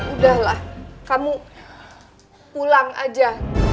udah lah kamu pulang aja